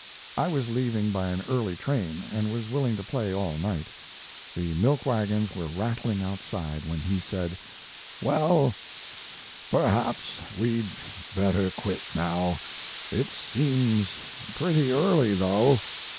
I was leaving by an early train, and was willing to play all night. The milk wagons were rattling outside when he said: "Well, perhaps we'd better quit now. It seems pretty early, though."